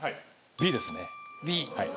Ｂですね